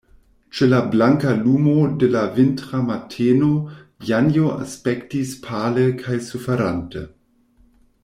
Ĉe la blanka lumo de la vintra mateno Janjo aspektis pale kaj suferante.